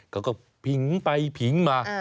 เขาก็ผิงไปผิงมา